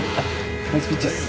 ナイスピッチっす。